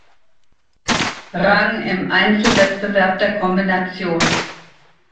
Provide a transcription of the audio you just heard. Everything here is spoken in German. Rang im Einzelwettbewerb der Kombination.